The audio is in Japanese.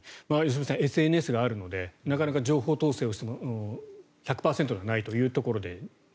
良純さんＳＮＳがあるのでなかなか情報統制をしても１００％ではないというところで。